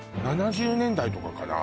７０年代とかかな